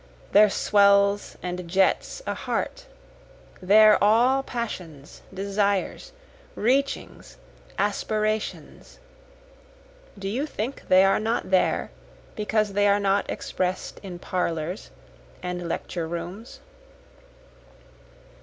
There swells and jets a heart, there all passions, desires, reachings, aspirations, (Do you think they are not there because they are not express'd in parlors and lecture rooms?)